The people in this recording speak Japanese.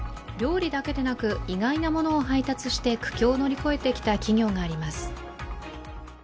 料理だけでなく、意外なものを配達して苦境を乗り越えてきた企業があります。